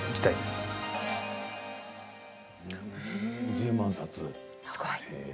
１０万冊。